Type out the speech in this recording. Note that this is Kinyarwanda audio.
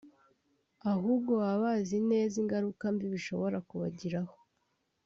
ahubwo baba bazi neza ingaruka mbi bishobora kubagiraho